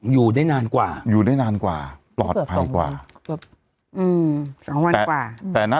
อยู่ได้นานกว่าอยู่ได้นานกว่าปลอดภัยกว่าเกือบอืมสองวันกว่าแต่นะ